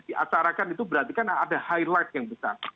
diacarakan itu berarti kan ada highlight yang besar